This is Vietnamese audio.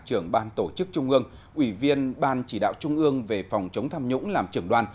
trưởng ban tổ chức trung ương ủy viên ban chỉ đạo trung ương về phòng chống tham nhũng làm trưởng đoàn